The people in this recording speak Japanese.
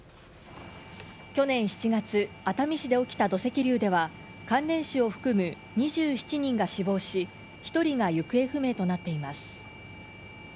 去年７月熱海市で起きた土石流では関連死を含む２７人が死亡し１人が行方不明となっています。